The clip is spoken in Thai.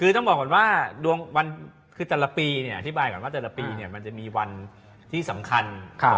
ต้องบอกก่อนว่าตลาดปีที่เป็นอย่างนี้จะมีวันที่สำคัญสักอย่าง